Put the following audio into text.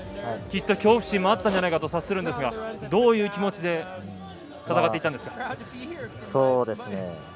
きっと恐怖心もあったんじゃないかと察するんですがどういう気持ちで戦っていたんですか？